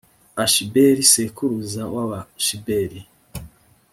ashibeli sekuruza w’abashibeli;